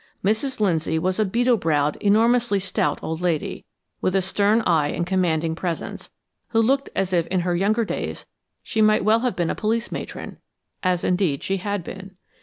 Mrs. Lindsay was a beetle browed, enormously stout old lady, with a stern eye and commanding presence, who looked as if in her younger days she might well have been a police matron as indeed she had been.